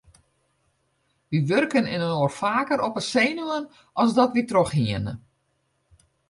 Wy wurken inoar faker op 'e senuwen as dat wy trochhiene.